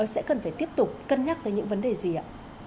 sẽ cần phải tiếp tục cân nhắc tới những vấn đề gì ạ